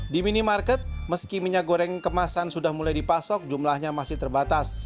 di minimarket meski minyak goreng kemasan sudah mulai dipasok jumlahnya masih terbatas